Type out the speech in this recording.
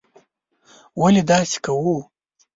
ولې داسې کوو.